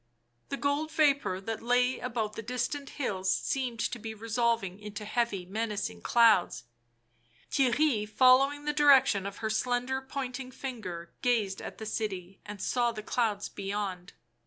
The gold vapour that lay about the distant hills seemed to be resolving into heavy, menacing clouds. Theirry, following the direction of her slender pointing finger, gazed at the city and saw the clouds beyond.